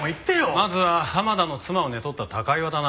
まずは玉田の妻を寝取った高岩だな。